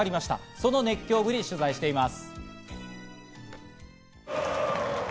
その熱狂ぶりを取材しています。